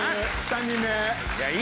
３人目。